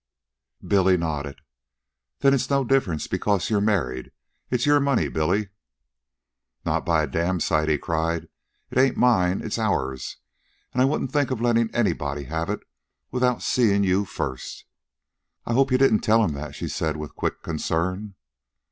Billy nodded. "Then it's no different because you're married. It's your money, Billy." "Not by a damn sight," he cried. "It ain't mine. It's ourn. And I wouldn't think of lettin' anybody have it without seein' you first." "I hope you didn't tell him that," she said with quick concern.